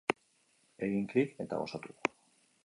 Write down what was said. Egin klik eta gozatu!